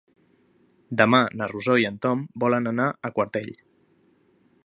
Demà na Rosó i en Tom volen anar a Quartell.